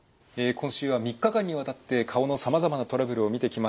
今週は３日間にわたって顔のさまざまなトラブルを見てきました。